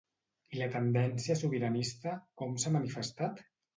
I la tendència sobiranista com s'ha manifestat?